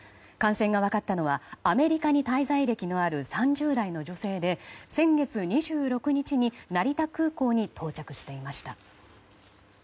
感染が分かったのはアメリカに滞在歴のある３０代の女性で先月２６日に成田空港に到着していました。